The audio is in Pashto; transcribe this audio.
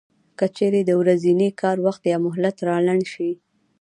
که چېرې د ورځني کار وخت یا مهلت را لنډ شي